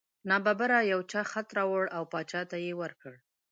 نا ببره یو چا خط راوړ او باچا ته یې ورکړ.